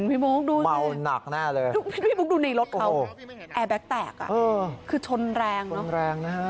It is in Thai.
พี่ปุ๊กดูสิพี่ปุ๊กดูในรถเขาแอร์แบ็คแตกอ่ะคือชนแรงนะ